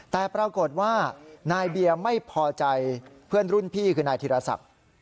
แต่ปรากฏว่านายเบียร์ไม่พอใจเพื่อนรุ่นพี่คือนายธิรศักดิ์